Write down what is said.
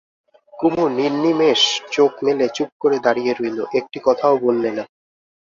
কুমু নির্নিমেষ চোখ মেলে চুপ করে দাঁড়িয়ে রইল, একটি কথাও বললে না।